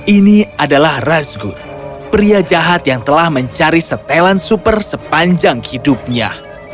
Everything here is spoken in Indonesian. ini adalah razgo pria jahat yang telah mencari setelan super sepanjang hidupnya